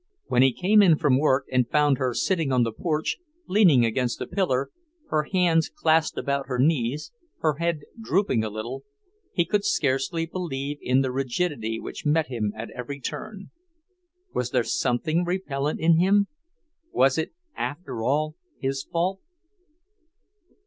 When he came in from work and found her sitting on the porch, leaning against a pillar, her hands clasped about her knees, her head drooping a little, he could scarcely believe in the rigidity which met him at every turn. Was there something repellent in him? Was it, after all, his fault?